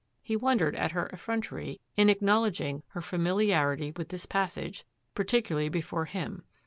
He wondered at her effrontery in ac knowledging her familiarity with this passage, particularly before him.